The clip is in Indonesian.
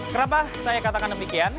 kenapa saya katakan demikian